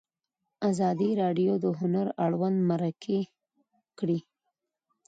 ازادي راډیو د هنر اړوند مرکې کړي.